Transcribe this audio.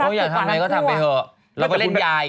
แล้วก็เล่นยาย